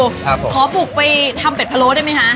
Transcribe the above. ฮาปกราร์บปลูกไปทำเป็ดพะโล้ได้ไหมฮะ